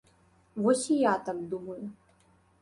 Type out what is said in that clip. Вось і я так думаю.